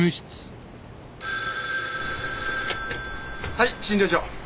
☎はい診療所。